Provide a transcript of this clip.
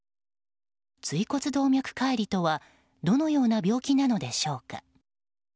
椎骨動脈解離とはどのような病気なのでしょうか。